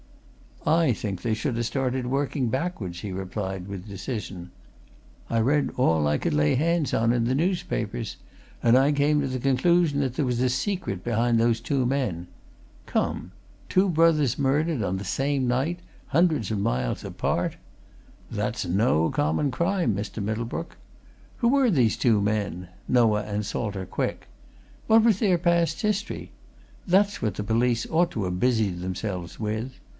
"I think they should ha' started working backward," he replied, with decision. "I read all I could lay hands on in the newspapers, and I came to the conclusion that there was a secret behind those two men. Come! two brothers murdered on the same night hundreds of miles apart! That's no common crime, Mr Middlebrook. Who were these two men Noah and Salter Quick? What was their past history? That's what the police ought to ha' busied themselves with.